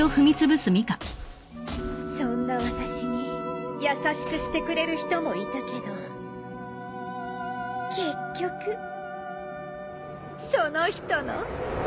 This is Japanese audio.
そんな私に優しくしてくれる人もいたけど結局その人の命も。